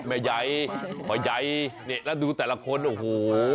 แม่ใหญ่พ่อใหญ่นี่แล้วดูแต่ละคนโอ้โห